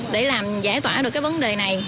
để làm giải tỏa được cái vấn đề này